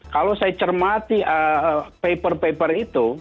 kalau saya cermati paper paper itu